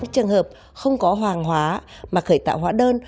trường hợp không có hoàng hóa mà khởi tạo hóa đơn